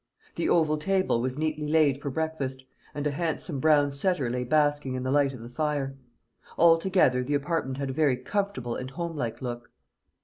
The oval table was neatly laid for breakfast, and a handsome brown setter lay basking in the light of the fire. Altogether, the apartment had a very comfortable and home like look.